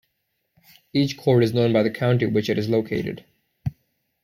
Each court is known by the county which it is located.